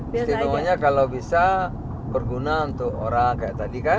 istimewanya kalau bisa berguna untuk orang kayak tadi kan